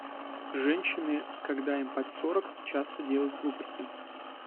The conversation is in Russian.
Женщины, когда им под сорок, часто делают глупости.